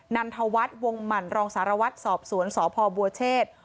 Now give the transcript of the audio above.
นันทวัฒน์วงหมั่นรองสารวัตรสอบสวนสพบัวเชษ